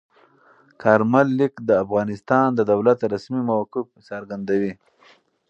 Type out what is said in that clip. کارمل لیک د افغانستان د دولت رسمي موقف څرګندوي.